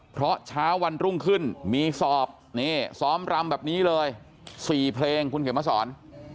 เพราะเช้าวันรุ่งขึ้นมีสอบนี่ซ้อมรำแบบนี้เลย๔เพลงคุณเขียนมาสอน